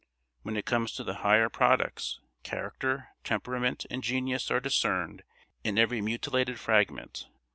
When it comes to the higher products, character, temperament, and genius are discerned in every mutilated fragment.